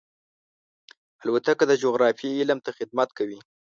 الوتکه د جغرافیې علم ته خدمت کوي.